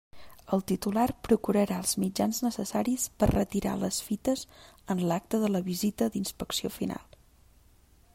El titular procurarà els mitjans necessaris per retirar les fites en l'acte de la visita d'inspecció final.